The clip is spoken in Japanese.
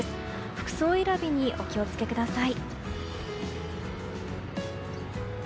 服装選びにお気を付けください。